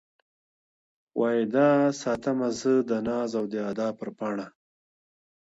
واى دا ساتمه زه د ناز او د ادا پــــــر پــــــاڼــــــــــــه.